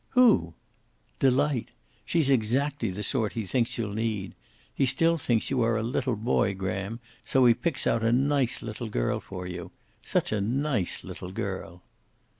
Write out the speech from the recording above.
"Who?" "Delight. She's exactly the sort he thinks you'll need. He still thinks you are a little boy, Graham, so he picks out a nice little girl for you. Such a nice little girl."